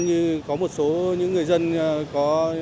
như có một số những người dân có